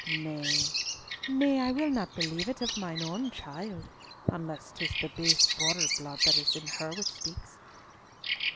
Nay, nay, I will not believe it of my child, unless 'tis the base Border blood that is in her which speaks."